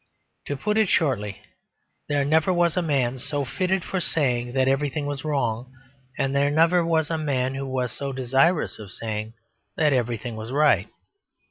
To put it shortly: there never was a man so much fitted for saying that everything was wrong; and there never was a man who was so desirous of saying that everything was right.